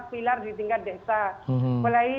pilar di tingkat desa mulai